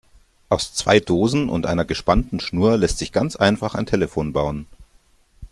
Aus zwei Dosen und einer gespannten Schnur lässt sich ganz einfach ein Telefon bauen.